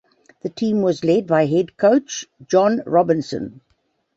The team was led by head coach John Robinson.